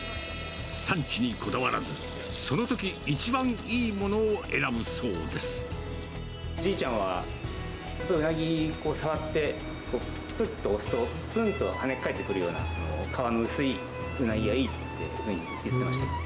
産地にこだわらず、そのとき一番じいちゃんは、ウナギを触って、ぷっと押すと、ぷんと跳ね返ってくるような、皮の薄いウナギがいいって言ってました。